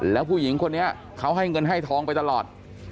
แล้วผู้หญิงคนนี้เขาให้เงินให้ทองไปตลอด